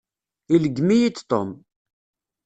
Ileggem-iyi-d Tom.